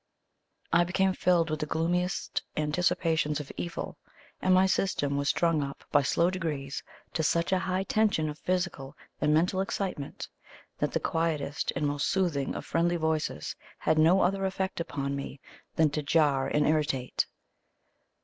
I became filled with the gloomiest anticipations of evil; and my system was strung up by slow degrees to such a high tension of physical and mental excitement, that the quietest and most soothing of friendly voices had no other effect upon me than to jar and irritate.